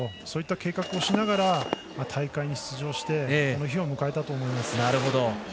そういった計画をしながら大会に出場してこの日を迎えたと思います。